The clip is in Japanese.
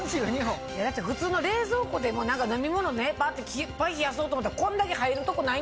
普通の冷蔵庫でも飲み物いっぱい冷やそうと思ったらこんだけ入るとこない。